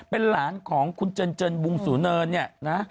เป็นหลานของคุณเจิญบุงสูงเนิน